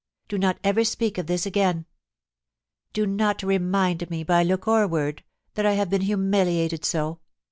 Do not ever speak of this again. Do not remind SA VED. 359 me, by look or word, that I have been humiliated so.